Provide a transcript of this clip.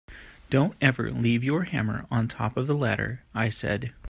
Don’t ever leave your hammer on the top of the ladder, I said.